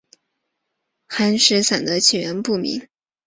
寒食散的起源不明。